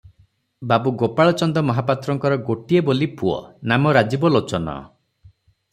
ବାବୁ ଗୋପାଳଚନ୍ଦ ମହାପାତ୍ରଙ୍କର ଗୋଟିଏ ବୋଲି ପୁଅ, ନାମ ରାଜୀବଲୋଚନ ।